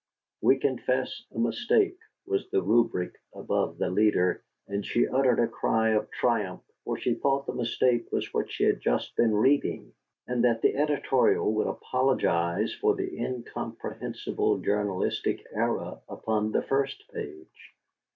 "We Confess a Mistake" was the rubric above the leader, and she uttered a cry of triumph, for she thought the mistake was what she had just been reading, and that the editorial would apologize for the incomprehensible journalistic error upon the first page.